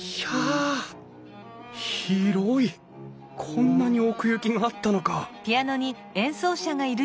こんなに奥行きがあったのか！